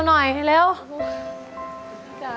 โชคชะตาโชคชะตา